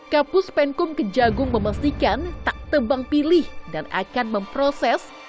kapus penkum kejagung memastikan tak tebang pilih dan akan memproses